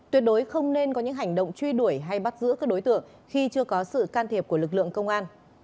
tuyệt đối không nên có những hành động truy đuổi hay bắt giữ các đối tượng khi chưa có sự can thiệp của lực lượng công an